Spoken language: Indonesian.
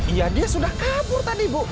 iya dia sudah kabur tadi bu